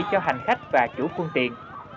cho hành khách và chủ phương tiện